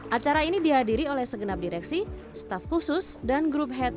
acara ini dihadiri oleh segenap direksi staff khusus dan grup head